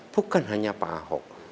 bukan hanya pak ahok